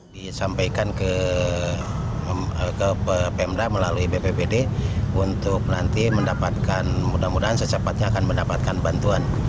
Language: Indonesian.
disampaikan ke pemda melalui bppd untuk nanti mendapatkan mudah mudahan secepatnya akan mendapatkan bantuan